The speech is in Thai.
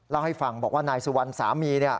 เล่าให้ฟังบอกว่านายสุวรรณสามี